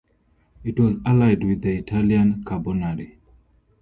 It was allied with the Italian Carbonari.